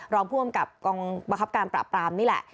รองพรวมกับบังคับการปรับปรามนี่แหละ